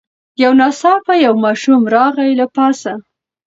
یو ناڅاپه یو ماشوم راغی له پاسه